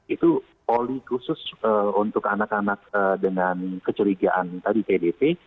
itu poli khusus untuk anak anak dengan kecurigaan tadi tdp